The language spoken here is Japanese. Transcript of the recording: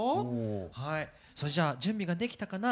はいそれじゃあ準備ができたかな？